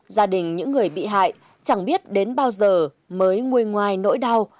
gia đình những người bị hại chẳng biết đến bao giờ mới nguôi ngoài nỗi đau